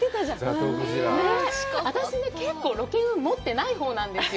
私、結構ロケ運持ってないほうなんですよ。